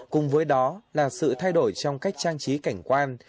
cùng với đó là sự thay đổi trong cách trang trí cảnh quan